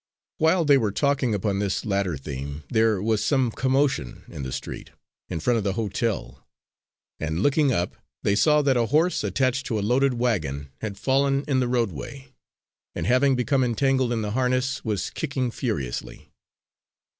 While they were talking upon this latter theme, there was some commotion in the street, in front of the hotel, and looking up they saw that a horse, attached to a loaded wagon, had fallen in the roadway, and having become entangled in the harness, was kicking furiously.